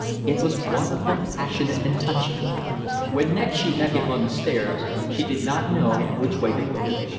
It was wonderful, passionate, and touching. When next she met him on the stairs she did not know which way to look.